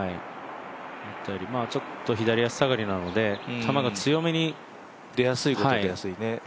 ちょっと左足下がりなので球が強めに出やすいところは出やすいですね。